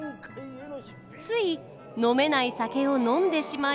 つい飲めない酒を飲んでしまい。